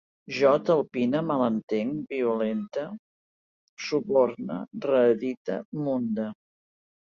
Jo talpine, malentenc, violente, suborne, reedite, munde